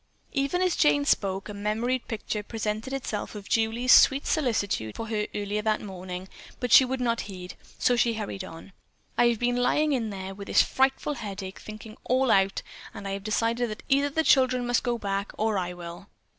Even as Jane spoke, a memoried picture presented itself of Julie's sweet solicitude for her earlier that morning, but she would not heed, so she hurried on: "I have been lying in there with this frightful headache thinking it all out, and I have decided that either the children must go back or I will."